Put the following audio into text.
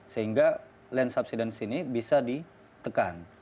sehingga land subsidence ini bisa ditekan